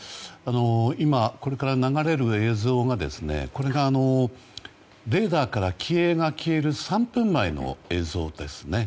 今、これから流れる映像がこれがレーダーから機影が消える３分前の映像です。